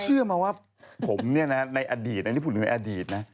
เชื่อมาว่าผมเนี่ยนะในอดีตอันนี้ผมถึงในอดีตนะ